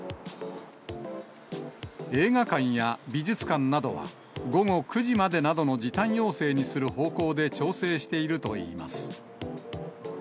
映画館や美術館などは、午後９時までなどの時短要請にする方向で調整しているといいます。